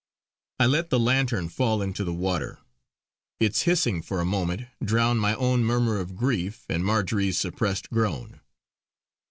I let the lantern fall into the water; its hissing for a moment drowned my own murmur of grief and Marjory's suppressed groan.